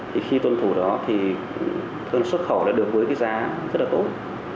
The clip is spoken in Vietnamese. thì khi tuân thủ đó thì thuận xuất khẩu đã được với cái giá rất là tốt